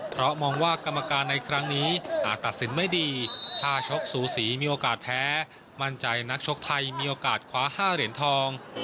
เพราะมองว่ากรรมการในครั้งนี้อาจตัดสินไม่ดีถ้าชกสูสีมีโอกาสแพ้มั่นใจนักชกไทยมีโอกาสคว้า๕เหรียญทอง